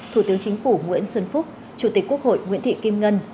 thủ tướng chính phủ nguyễn xuân phúc chủ tịch quốc hội nguyễn thị kim ngân